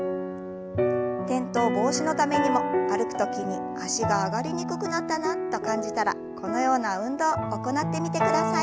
転倒防止のためにも歩く時に脚が上がりにくくなったなと感じたらこのような運動行ってみてください。